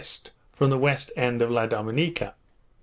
from the west end of La Dominica.